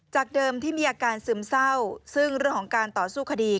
เดิมที่มีอาการซึมเศร้าซึ่งเรื่องของการต่อสู้คดี